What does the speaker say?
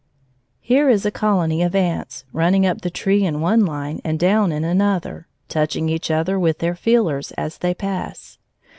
Here is a colony of ants, running up the tree in one line and down in another, touching each other with their feelers as they pass.